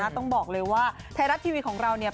ต้องบอกเลยว่าไทยรัฐทีวีของเราเนี่ย